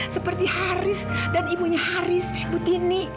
seperti haris dan ibunya haris bu tini